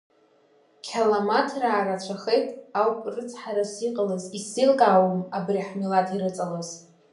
Қьаламаҭраа рацәахеит ауп рыцҳарас иҟалаз, исзеилкаауам абри ҳмилаҭ ирыҵалаз!